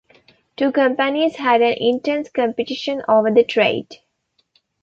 Two companies had an intense competition over the trade.